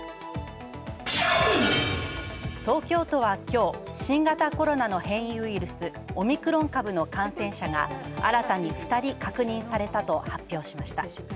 東京都は今日新型コロナの変異ウイルス「オミクロン株」の感染者が新たに２人確認されたと発表しました。